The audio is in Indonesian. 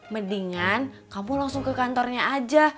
mendingan kamu langsung ke kantornya aja